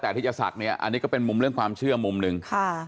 แต่ที่จะศักดิ์เนี่ยอันนี้ก็เป็นมุมเรื่องความเชื่อมุมหนึ่ง